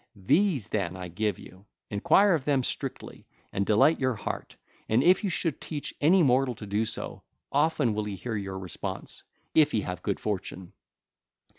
These, then, I give you; enquire of them strictly and delight your heart: and if you should teach any mortal so to do, often will he hear your response—if he have good fortune.